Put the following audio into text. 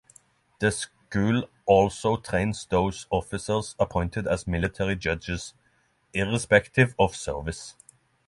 The school also trains those officers appointed as military judges, irrespective of service.